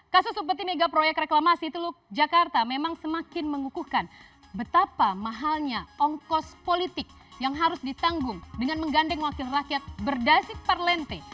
kasus seperti mega proyek reklamasi teluk jakarta memang semakin mengukuhkan betapa mahalnya ongkos politik yang harus ditanggung dengan menggandeng wakil rakyat berdasik parlente